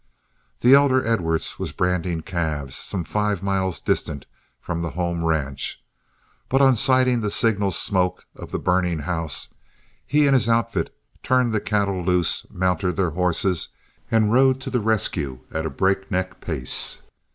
The elder Edwards was branding calves some five miles distant from the home ranch, but on sighting the signal smoke of the burning house, he and his outfit turned the cattle loose, mounted their horses, and rode to the rescue at a break neck pace.